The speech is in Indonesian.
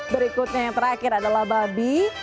berikutnya yang terakhir adalah babi